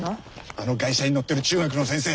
あの外車に乗ってる中学の先生。